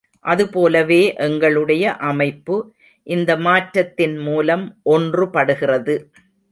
அதுபோலவே, எங்களுடைய அமைப்பு இந்த மாற்றத்தின் மூலம் ஒன்று படுகிறது.